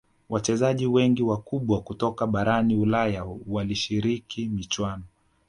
wachezaji wengi wakubwa kutoka barani ulaya walishiriki michuano